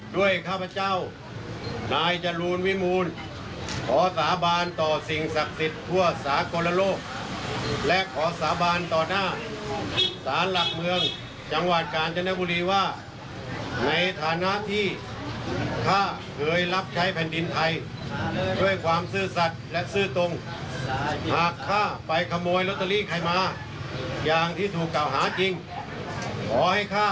ข้าพเจ้านายจรูลวิมูลขอสาบานต่อสิ่งศักดิ์สิทธิ์ทั่วสากลโลกและขอสาบานต่อหน้าศาลหลักเมืองจังหวัดกาญจนบุรีว่าในฐานะที่ข้าเคยรับใช้แผ่นดินไทยด้วยความซื่อสัตว์และซื่อตรงหากข้าไปขโมยลอตเตอรี่ใครมาอย่างที่ถูกกล่าวหาจริงขอให้ข้า